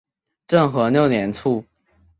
政和六年卒。